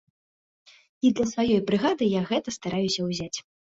І для сваёй брыгады я гэта стараюся ўзяць.